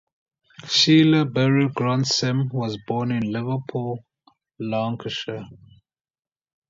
Sheila Beryl Grant Sim was born in Liverpool, Lancashire.